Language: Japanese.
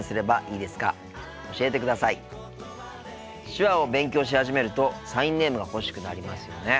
手話を勉強し始めるとサインネームが欲しくなりますよね。